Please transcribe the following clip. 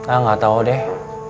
a a gak tau deh